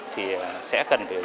thì sẽ cần